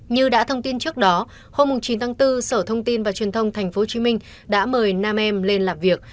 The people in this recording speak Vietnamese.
như đã thông tin trước đó hôm chín tháng bốn sở thông tin và truyền thông tp hcm đã mời nam em lên làm việc